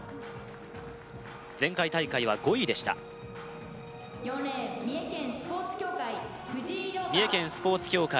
前回大会は５位でした三重県スポーツ協会